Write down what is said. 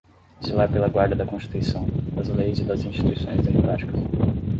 zelar pela guarda da Constituição, das leis e das instituições democráticas